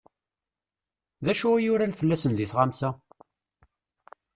D acu i uran fell-asen deg tɣamsa?